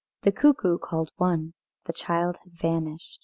The cuckoo called one. The child had vanished.